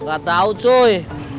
gak tau cuy